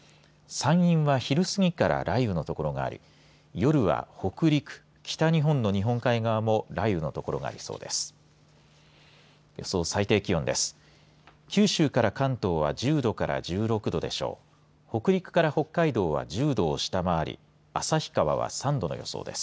山陰は昼すぎから雷雨の所があり夜は北陸、北日本の日本海側も雷雨の所がありそうです。